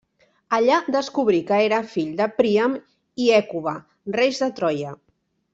Allà descobrí que era fill de Príam i Hècuba, reis de Troia.